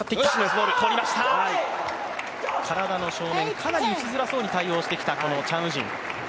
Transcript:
体の正面、かなり打ちづらそうに対応してきたチャン・ウジン。